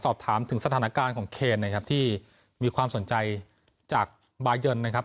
สอบถามถึงสถานการณ์ของเคนนะครับที่มีความสนใจจากบายันนะครับ